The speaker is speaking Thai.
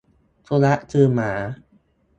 สุนัขคือหมา